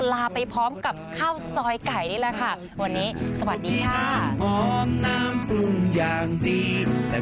ลาไปพร้อมกับข้าวซอยไก่วันนี้นี่แหละค่ะสวัสดีค่ะ